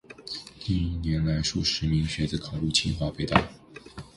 近年来，数十名学子考入清华、北大